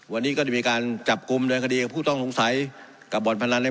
วันนี้ก็จะมีการจับกลุ่มเดินคดีกับผู้ต้องสงสัยกับบ่อนพนันใน